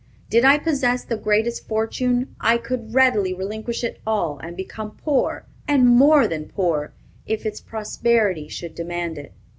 Did I possess the greatest fortune, I could readily relinquish it all, and become poor, and more than poor, if its prosperity should demand it."